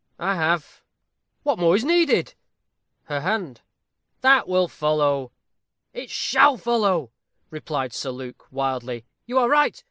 "I have." "What more is needed?" "Her hand." "That will follow." "It shall follow," replied Sir Luke, wildly. "You are right.